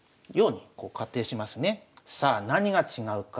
さあ何が違うか。